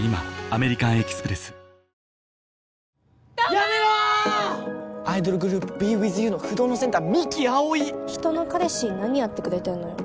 アイドルグループＢｅＷｉｔｈＹｏｕの不動のセンター三木葵人の彼氏に何やってくれてんのよ